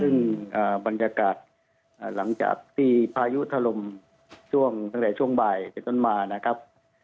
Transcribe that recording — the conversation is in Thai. ซึ่งบรรยากาศหลังจากที่พายุทะลมช่วงตั้งแต่ช่วงบ่ายเป็นต้นมานะครับ